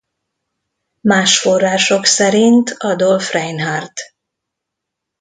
Más források szerint Adolf Reinhardt.